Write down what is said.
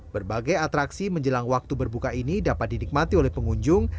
berbagai atraksi menjelang waktu berbuka ini dapat dinikmati oleh pengunjung